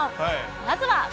まずは。